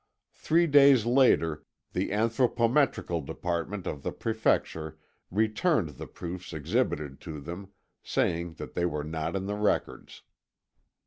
Three days later the anthropometrical department of the Prefecture returned the proofs exhibited to them, saying that they were not in the records.